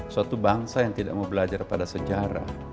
suatu bangsa yang tidak mau belajar pada sejarah